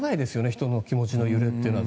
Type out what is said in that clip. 人の気持ちの揺れというのは。